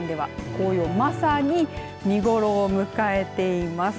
紅葉がまさに見頃を迎えています。